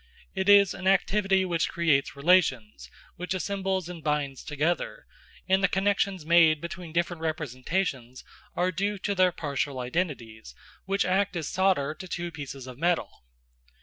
It is an activity which creates relations, which assembles and binds together, and the connections made between different representations are due to their partial identities, which act as solder to two pieces of metal.